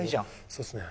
そうですね。